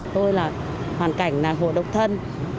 tôi là hoàn cảnh nàng hồ độc thân